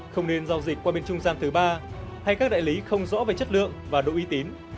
không nên giao dịch qua bên trung gian thứ ba hay các đại lý không rõ về chất lượng và độ y tín